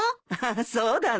そうだね。